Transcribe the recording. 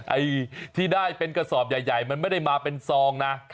ไอ้ที่ได้เป็นกระสอบใหญ่มันไม่ได้มาเป็นซองนะ